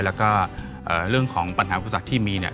แล้วก็เรื่องของปัญหาคุณศักดิ์ที่มีเนี่ย